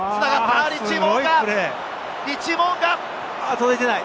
届いていない！